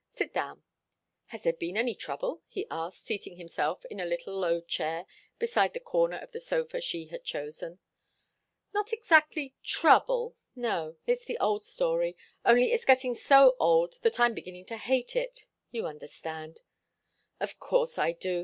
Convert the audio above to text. Sit down." "Has there been any trouble?" he asked, seating himself in a little low chair beside the corner of the sofa she had chosen. "Not exactly trouble no. It's the old story only it's getting so old that I'm beginning to hate it. You understand." "Of course I do.